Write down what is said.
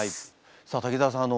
さあ滝沢さん